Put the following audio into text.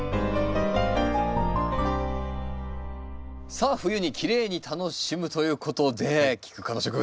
さあ冬にきれいに楽しむということでキク科の植物